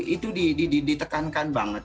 itu ditekankan banget